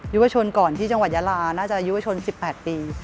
ยุวชนก่อนที่จังหวัดยาลาน่าจะอายุชน๑๘ปี